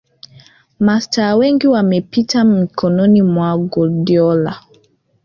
Mastaa wengi wamepita mikononi mwa Guardiola